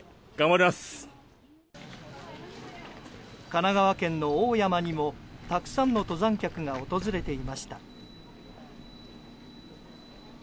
神奈川県の大山にもたくさんの登山客が訪れていました。